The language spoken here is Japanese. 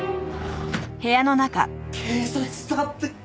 警察だって。